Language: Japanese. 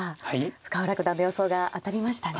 深浦九段の予想が当たりましたね。